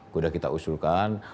sudah kita usulkan